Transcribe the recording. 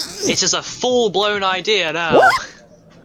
It is a full blown idea now.